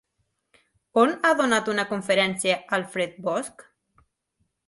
On ha donat una conferència Alfred Bosch?